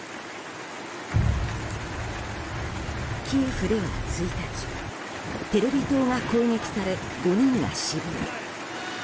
キエフでは１日テレビ塔が攻撃され５人が死亡。